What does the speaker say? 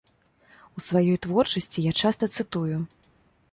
У сваёй творчасці я часта цытую.